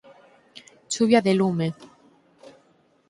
Chuvia de lume!